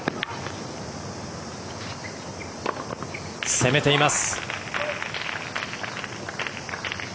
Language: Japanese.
攻めています！